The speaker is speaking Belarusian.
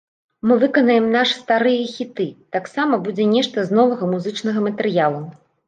Мы выканаем нашы старыя хіты, таксама будзе нешта з новага музычнага матэрыялу.